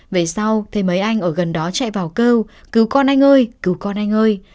về sau thế mấy anh ở gần đó chạy vào kêu cứu con anh ơi cứu con anh ơi